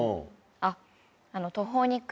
あっ。